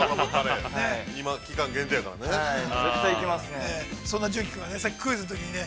◆今期間限定やからね。